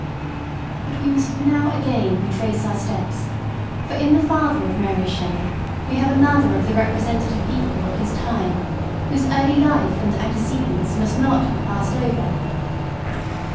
But we must now again retrace our steps, for in the father of Mary Shelley we have another of the repre sentative people of his time, whose early life and antecedents must not be passed over.